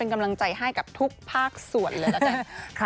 เป็นกำลังใจให้กับทุกภาคส่วนเลยนะครับ